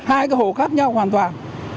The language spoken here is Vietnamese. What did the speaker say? hai cái hồ khác nhau hoàn toàn